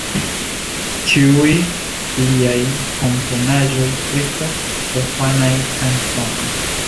Ĉiuj liaj komponaĵoj estas profanaj kanzonoj.